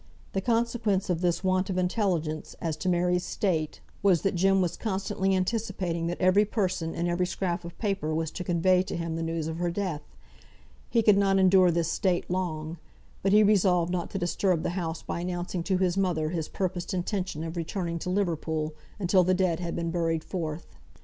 The consequence of this want of intelligence as to Mary's state was, that Jem was constantly anticipating that every person and every scrap of paper was to convey to him the news of her death. He could not endure this state long; but he resolved not to disturb the house by announcing to his mother his purposed intention of returning to Liverpool, until the dead had been carried forth.